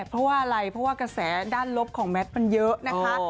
เพราะว่าอะไรเพราะว่ากระแสด้านลบของแมทมันเยอะนะคะ